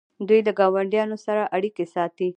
دوی له ګاونډیانو سره اړیکې ساتي.